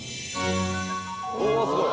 おおすごい。